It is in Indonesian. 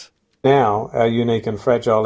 sekarang ekosistem kita unik dan keras